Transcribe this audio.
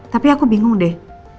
tapi aku bingung deh